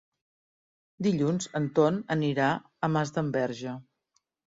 Dilluns en Ton anirà a Masdenverge.